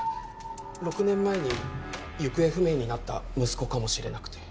６年前に行方不明になった息子かもしれなくて。